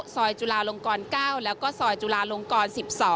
ซอยจุลาลงกร๙และซอยจุลาลงกร๑๒